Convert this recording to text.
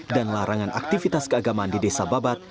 dan larangan aktivitas keagamaan di desa babat